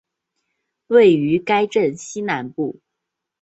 位于该镇西南部。